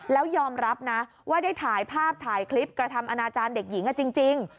แล้วยอมรับนะว่าได้ถ่ายภาพถ่ายคลิปกระทำอนาจารย์เด็กหญิงจริง